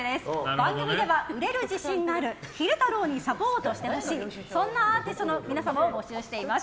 番組では売れる自信のある昼太郎にサポートしてほしいそんなアーティストの皆様を募集しております。